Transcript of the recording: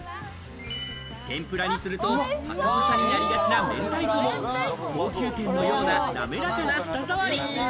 天ぷらにすると、パサパサになりがちな、めんたいこも、高級店のような滑らかな舌ざわり。